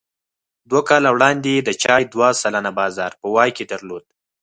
دوه کاله وړاندې یې د چای دوه سلنه بازار په واک کې درلود.